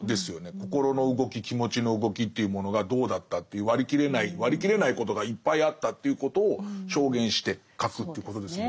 心の動き気持ちの動きっていうものがどうだったっていう割り切れない割り切れないことがいっぱいあったっていうことを証言して書くということですものね。